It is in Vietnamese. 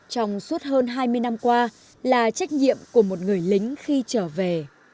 trong suốt hơn hai mươi năm qua là trách nhiệm của một người lính khi trở về